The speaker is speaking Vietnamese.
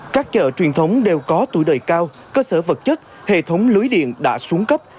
các chợ truyền thống đều có tuổi đời cao cơ sở vật chất hệ thống lưới điện đã xuống cấp